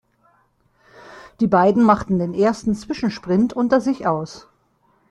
Die beiden machten den ersten Zwischensprint unter sich aus.